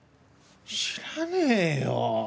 知らねえよ